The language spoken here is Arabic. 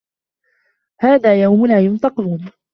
هذا يَومُ لا يَنطِقونَ